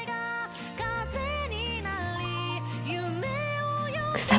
「風になり夢を呼び」